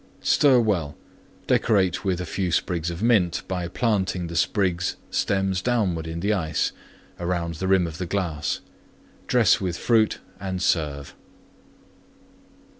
Stir well; decorate with few sprigs of Mint by planting the sprigs stems downward in the Ice around the rim of glass; dress with Fruit and serve.